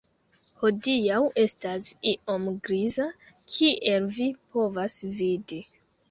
Hodiaŭ estas iom griza kiel vi povas vidi